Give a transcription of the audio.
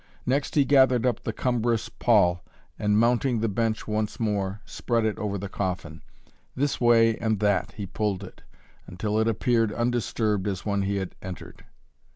Next he gathered up the cumbrous pall and, mounting the bench once more, spread it over the coffin. This way and that he pulled it, until it appeared undisturbed as when he had entered.